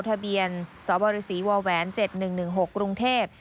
ทะเบียนสบศว๗๑๑๖กรุงเทพฯ